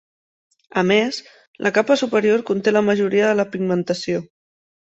A més, la capa superior conté la majoria de la pigmentació.